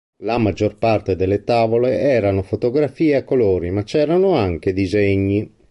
La maggior parte delle tavole erano fotografie a colori, ma c'erano anche disegni.